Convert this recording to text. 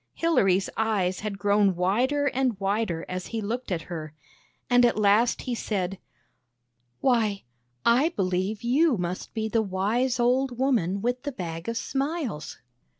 Hilary's eyes had grown wider and wider as he looked at her; and at last he said: " Why, I believe you must be the wise old woman with the Bag of Smiles!